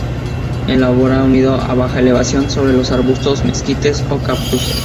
Elabora un nido a baja elevación sobre los arbustos, mezquites o cactus.